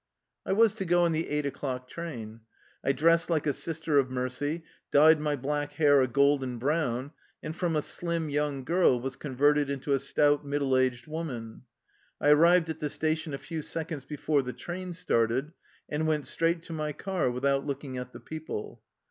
I was to go on the eight o'clock train. I dressed like a "Sister of Mercy,'' dyed my black hair a golden brown, and from a slim young girl was converted into a stout, middle aged woman. I arrived at the station a few seconds before the train started, and went straight to my car with out looking at the people.